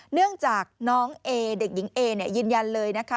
เนื่องจากน้องเอเด็กหญิงเอยืนยันเลยนะคะ